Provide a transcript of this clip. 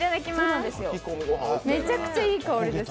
めちゃくちゃいい香りです。